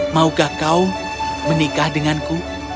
maukah kau menikah denganku